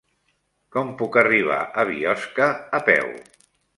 Com puc arribar a Biosca a peu?